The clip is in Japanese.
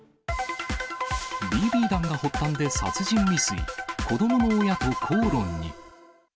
ＢＢ弾が発端で殺人未遂、子どもの親と口論に。